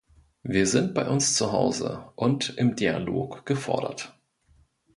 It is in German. Wir sind bei uns zu Hause und im Dialog gefordert.